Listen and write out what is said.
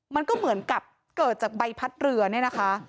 มันก็เหมือนกับเกิดจากใบพัดเรือเนี่ยนะคะ